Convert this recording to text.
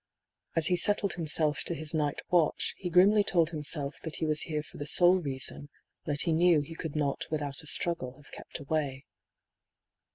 As he settled himself to his night watch he grimly told himself that he was here for the sole reason that he knew he could not without a struggle have kept away.